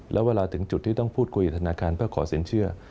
แล้วเวลาถึงจุดที่ต้องพูดคุยกับธนาคารเพื่อขอสินเชื่อ